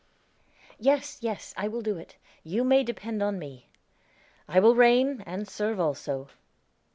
"Yes, yes, I will do it; you may depend on me. I will reign, and serve also."